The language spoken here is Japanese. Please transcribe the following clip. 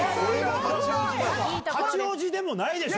八王子でもないでしょ。